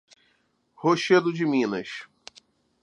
Rochedo de Minas